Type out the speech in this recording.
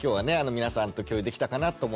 皆さんと共有できたかなと思います。